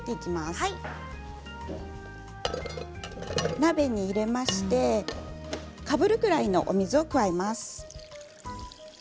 鍋に入れましてかぶるくらいのお水を加えます。